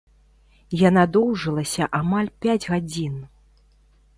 Яна доўжылася амаль пяць гадзін.